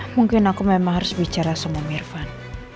mungkin aku memang harus bicara sama mirfan